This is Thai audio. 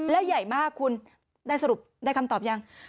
แล้วใหญ่มากคุณได้สรุปได้คำตอบยัง